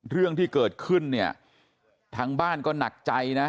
เรื่องที่เกิดขึ้นเนี่ยทางบ้านก็หนักใจนะ